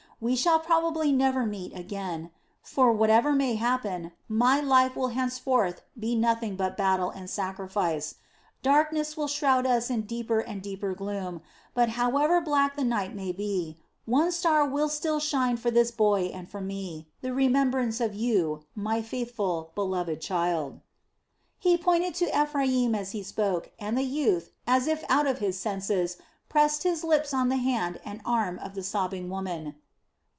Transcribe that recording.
We shall probably never meet again; for, whatever may happen, my life will henceforth be nothing but battle and sacrifice. Darkness will shroud us in deeper and deeper gloom, but however black the night may be, one star will still shine for this boy and for me the remembrance of you, my faithful, beloved child." He pointed to Ephraim as he spoke and the youth, as if out of his senses, pressed his lips on the hand and arm of the sobbing woman.